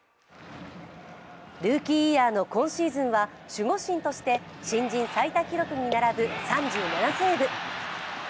ルーキーイヤーの今シーズンは守護神として新人最多記録に並ぶ３７セーブ。